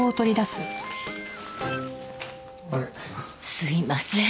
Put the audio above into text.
すいません。